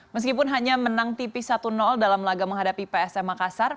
meskipun hanya menang tipis satu dalam laga menghadapi psm makassar